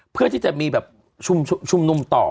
เพื่อที่จะมีแบบชุมนุมต่อ